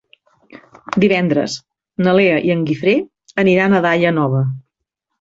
Divendres na Lea i en Guifré aniran a Daia Nova.